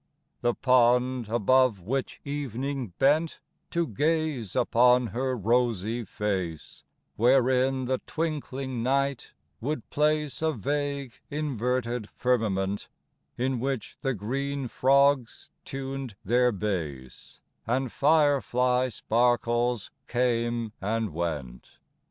The pond, above which evening bent To gaze upon her rosy face; Wherein the twinkling night would place A vague, inverted firmament, In which the green frogs tuned their bass, And firefly sparkles came and went.